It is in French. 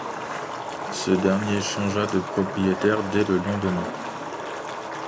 Ce dernier changea de propriétaire dès le lendemain.